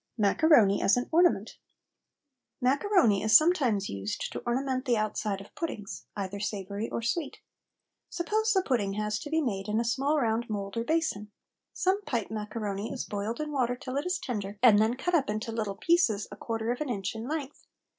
MACARONI AS AN ORNAMENT. Macaroni is sometimes used to ornament the outside of puddings, either savoury or sweet. Suppose the pudding has to be made in a small round mould or basin. Some pipe macaroni is boiled in water till it is tender, and then cut up into little pieces a quarter of an inch in length.